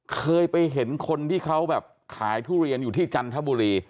เคยไปเห็นคนที่เขาแบบขายทุเรียนอยู่ที่จันทบุรี